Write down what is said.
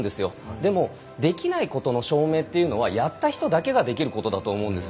でもできないことの証明というのはやったことだけができることだと思うんです。